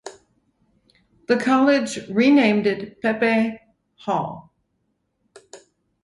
The college renamed it Pepe Hall.